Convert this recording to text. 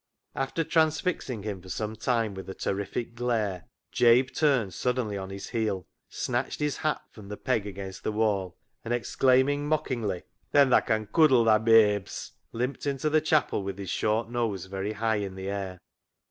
After transfixing iiim for some time with a terrific glare, Jabe turned suddenly on his heel, snatched his hat from the peg against the wall, and exclaiming mockingly, " Then tha can coodle thy ba abes," limped into the chapel with his short nose very high in the air.